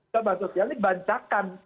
bantuan sosial ini bancakan